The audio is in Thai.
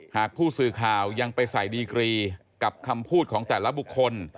หากผู้สื่อข่าวยังไปใส่ดีกรีกับคำพูดของแต่ละบุคคล